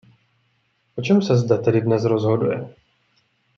O čem se zde tedy dnes rozhoduje?